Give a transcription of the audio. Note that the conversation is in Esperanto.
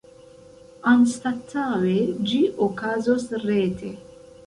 Anstataŭe ĝi okazos rete.